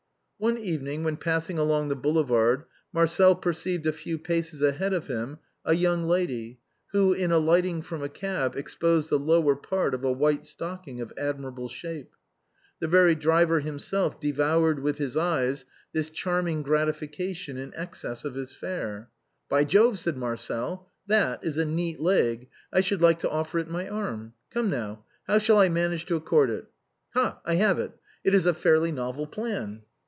One evening when passing along the Boulevard, Marcel perceived a few paces ahead of him a young lady who, in alighting from a cab, exposed the lower part, of a white stocking of admirable shape. The very driver himself de DONEC GRATUS. 191 voured with his eyes this charming gratification in excess of his fare. " By Jove," said Marcel, " that is a neat leg, I should like to offer it my arm. Come, now, how shall I manage to accost it ? Ha ! I have it — it is a fairly novel plan.